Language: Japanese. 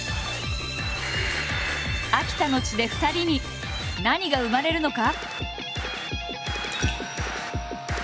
秋田の地で２人に何が生まれるのか？